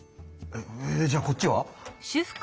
えじゃあこっちは？